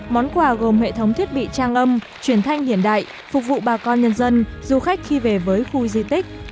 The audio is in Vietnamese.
món quà gồm hệ thống thiết bị trang âm truyền thanh hiện đại phục vụ bà con nhân dân du khách khi về với khu di tích